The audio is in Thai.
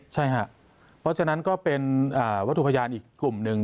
ใช่ครับเพราะฉะนั้นก็เป็นวัตถุพยานอีกกลุ่มหนึ่ง